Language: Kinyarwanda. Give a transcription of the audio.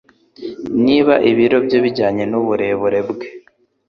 niba ibiro bye bijyanye n'uburebure bwe